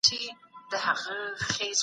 دا زما کڅوړه ده.